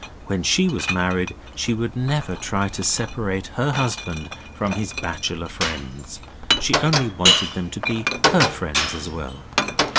When she was married she would never try to separate her husband from his bachelor friends, she only wanted them to be her friends as well.